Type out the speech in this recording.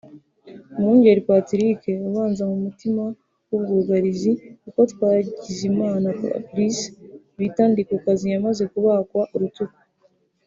Umwungeri Patrick abanza mu mutima w’ubwugarizi kuko Twagizimana Fabrice bita Ndikukazi yamaze kubagwa urutugu